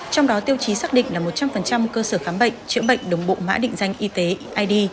trong đó tiêu chí xác định là một trăm linh cơ sở khám bệnh chữa bệnh đồng bộ mã định danh y tế id